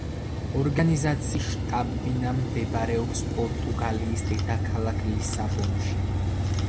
ორგანიზაციის შტაბ-ბინა მდებარეობს პორტუგალიის დედაქალაქ ლისაბონში.